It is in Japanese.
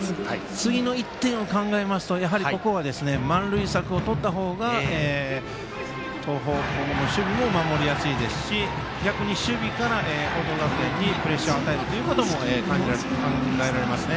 次の１点を考えますと満塁策をとったほうが東邦高校の守備も守りやすいですし逆に、守備から報徳学園にプレッシャーを与えることも考えられますね。